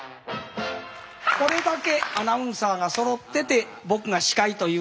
これだけアナウンサーがそろってて僕が司会ということなんです。